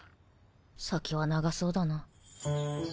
先は長そうだな。